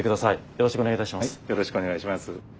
よろしくお願いします。